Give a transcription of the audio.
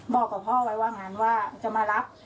บอกกับพ่อไว้ว่างั้นว่าจะมารับ